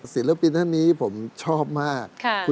ศิลปินท่านนี้ผมชอบมาก